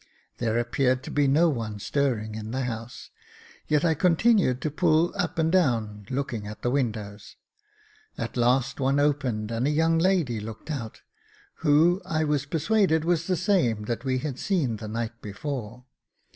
There appeared to be no one stirring in the house, yet I con tinued to pull up and down, looking at the windows : at last one opened, and a young lady looked out, who, I was persuaded, was the same that we had seen the night before.